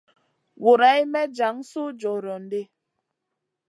Guroyn may jan suh jorion ɗi.